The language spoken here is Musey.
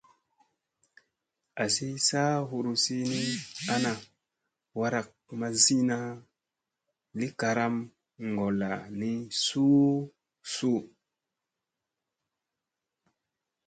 Azi saa huruzi ni ana warak mazina li karam ngolla ni suu suu.